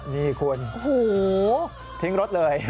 นี่คุณทิ้งรถเลย